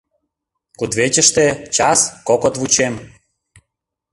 Кудывечыште час, кокыт вучем.